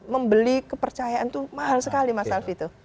membeli kepercayaan itu mahal sekali mas alfito